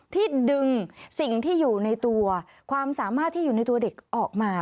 ที่ดึงสิ่งที่อยู่ในตัวความสามารถที่อยู่ในตัวเด็กออกมา